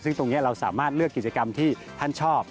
ซึ่งตรงนี้เราสามารถเลือกกิจกรรมที่ท่านชอบ